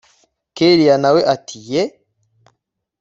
kellia nawe ati yeee